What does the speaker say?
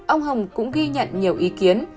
ông hồng cũng ghi nhận nhiều ý kiến